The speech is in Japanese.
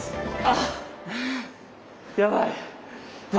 あっやばい。